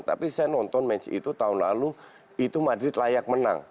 tapi saya nonton match itu tahun lalu itu madrid layak menang